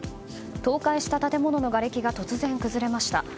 倒壊した建物のがれきが突然崩れました。